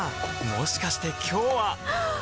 もしかして今日ははっ！